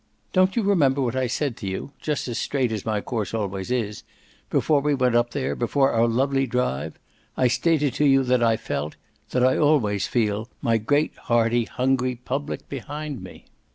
"Don't you remember what I said to you just as straight as my course always is before we went up there, before our lovely drive? I stated to you that I felt that I always feel my great hearty hungry public behind me."